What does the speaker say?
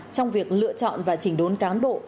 trong việc lựa chọn và chỉnh đốn cán bộ